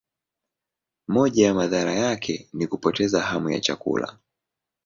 Moja ya madhara yake ni kupoteza hamu ya chakula.